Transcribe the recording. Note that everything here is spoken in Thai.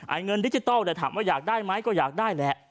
เงินดิจิทัลเนี่ยถามว่าอยากได้ไหมก็อยากได้แหละ